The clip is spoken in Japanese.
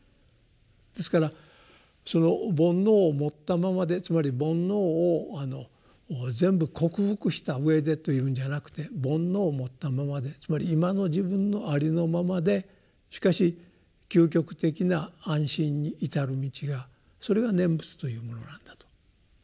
ですからその煩悩を持ったままでつまり煩悩を全部克服したうえでというんじゃなくて煩悩を持ったままでつまり今の自分のありのままでしかし究極的な安心に至る道がそれが念仏というものなんだと。